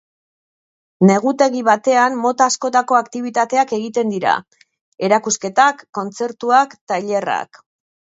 Negutegi batean mota askotako aktibitateak egiten dira: erakusketak, kontzertuak, tailerrak.